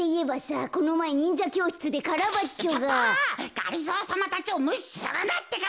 がりぞーさまたちをむしするなってか。